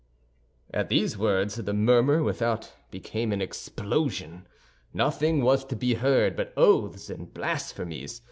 At these words, the murmur without became an explosion; nothing was to be heard but oaths and blasphemies.